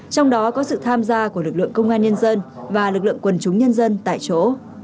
trong đó có sự tham gia của lực lượng công an nhân dân và lực lượng quần chúng nhân dân tại chỗ